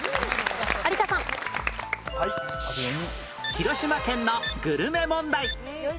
広島県のグルメ問題